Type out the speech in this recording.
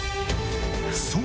そう！